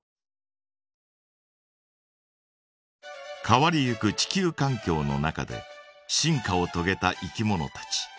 変わりゆく地球かん境の中で進化をとげたいきものたち。